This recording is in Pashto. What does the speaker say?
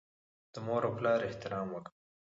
د مور او پلار احترام وکړئ.